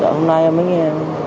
rồi hôm nay em mới nghe